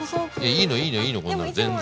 いいのいいのいいのこんなの全然。